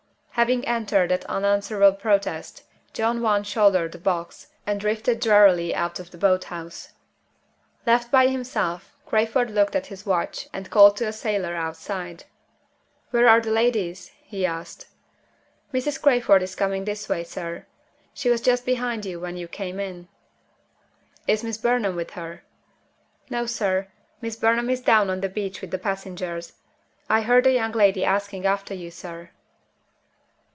Having entered that unanswerable protest, John Want shouldered the box, and drifted drearily out of the boat house. Left by himself, Crayford looked at his watch, and called to a sailor outside. "Where are the ladies?" he asked. "Mrs. Crayford is coming this way, sir. She was just behind you when you came in." "Is Miss Burnham with her?" "No, sir; Miss Burnham is down on the beach with the passengers. I heard the young lady asking after you, sir."